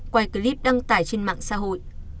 một clip đăng tải trên mạng xã hội